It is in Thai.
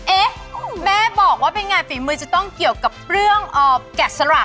เอ๊ะแม่บอกว่าเป็นไงฝีมือจะต้องเกี่ยวกับเรื่องแกะสลัก